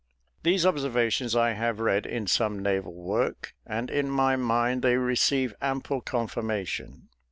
These observations I have read in some naval work, and in my mind they receive ample confirmation.